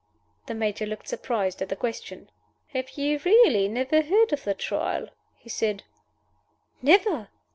The Major looked surprised at the question. "Have you really never heard of the Trial?" he said. "Never."